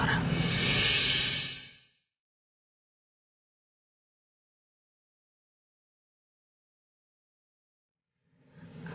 aku mau pergi dulu